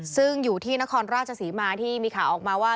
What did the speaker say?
ซึ่งอยู่ที่นครราชศรีมาที่มีข่าวออกมาว่า